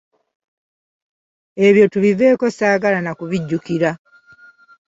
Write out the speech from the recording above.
Ebyo tubiveeko ssaagala na kubijjukira.